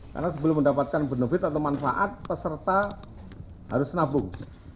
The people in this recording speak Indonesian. jadi kalau bener bener kalau manfaat peserta harus nabung